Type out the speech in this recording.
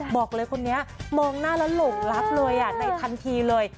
บอกเลยคนนี้มองหน้าแล้วหลงรักเลยในทันทีเลย